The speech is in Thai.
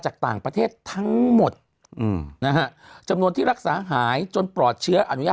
จากต่างประเทศทั้งหมดนะฮะจำนวนที่รักษาหายจนปลอดเชื้ออนุญาต